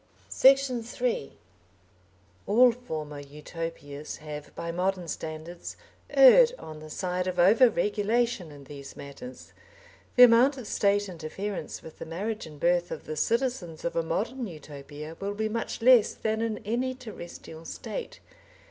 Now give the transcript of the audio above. Section 3 All former Utopias have, by modern standards, erred on the side of over regulation in these matters. The amount of State interference with the marriage and birth of the citizens of a modern Utopia will be much less than in any terrestrial State.